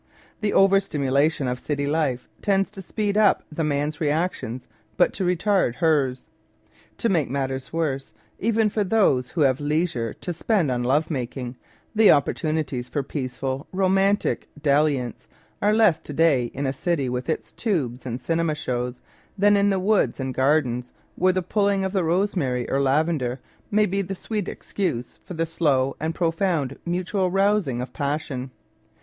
The over stimulation oi city life tends to " speed up " the man's reactions, but to retard hers. To make matters worse, even for those who have leisure to spend on love making, the opportunities for peaceful, romantic dalliance are less to day in a city with its tubes and The Broken Joy ^ cinema shows than in woods and gardens where the pulling of rosemary or lavender may be the sweet excuse for the slow and profound mutual rousing of passion.